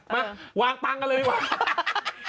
มาวางตังค์กันเลยดีกว่า